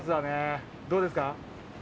どうですか？